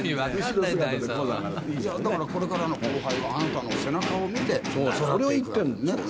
だからこれからの後輩は、あなたの背中を見て、それを言ってるのね。